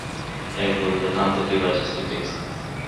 Eu voi vota împotriva acestui text.